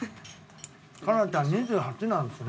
佳菜ちゃん２８なんですね。